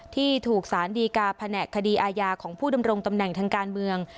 ที่ถูกสารดีกาแผนกคดีอาญาของผู้ดำรงตำแหน่งทางการเมือง